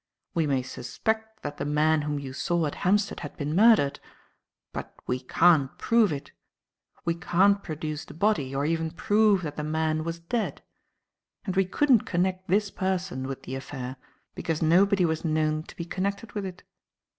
We may suspect that the man whom you saw at Hampstead had been murdered. But we can't prove it. We can't produce the body or even prove that the man was dead. And we couldn't connect this person with the affair because nobody was known to be connected with it.